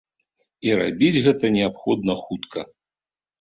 І рабіць гэта неабходна хутка.